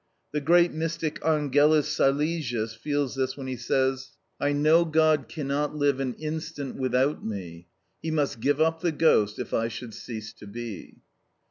The great mystic Angelus Silesius feels this when he says— "I know God cannot live an instant without me, He must give up the ghost if I should cease to be."